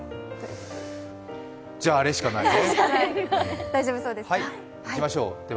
じゃあ、あれしかないね。